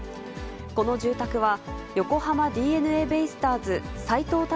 この住宅は、横浜ＤｅＮＡベイスターズ、斎藤隆